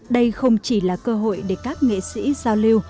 đây không chỉ là cơ hội để các nghệ sĩ giao lưu